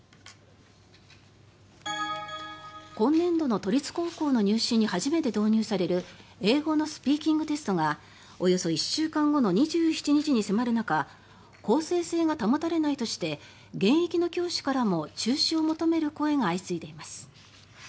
今年度の都立高校の入試に初めて導入される英語のスピーキングテストがおよそ１週間後の２７日に迫る中公正性が保たれないとして現役の教師からも中止を求める声が相次いでいます。